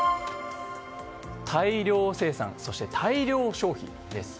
大量生産、そして大量消費です。